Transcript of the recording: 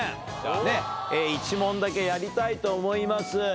１問だけやりたいと思います。